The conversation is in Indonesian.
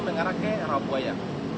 mengarah ke rawabuaya